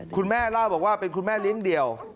คุณแม่เล่าบอกว่าเป็นคุณแม่เลี้ยงเดี่ยว